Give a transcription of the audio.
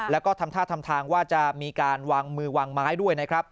แล้วก็ทำท่าทำทางว่าจะมีการวางมือวางไม้ด้วยนะครับ